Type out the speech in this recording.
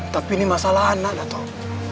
tapi ini masalah anak atau